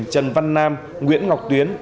trần văn nam nguyễn ngọc tuyến